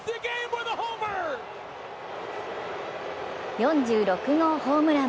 ４６号ホームラン。